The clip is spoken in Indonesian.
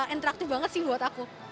interaktif banget sih buat aku